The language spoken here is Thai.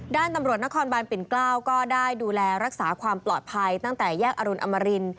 ด้านตำรวจนครบานปิ่นเกล้าก็ได้ดูแลรักษาความปลอดภัยตั้งแต่แยกอรุณอมริน